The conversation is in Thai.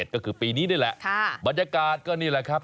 ก็คือปีนี้นี่แหละบรรยากาศก็นี่แหละครับ